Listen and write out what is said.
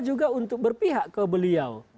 juga untuk berpihak ke beliau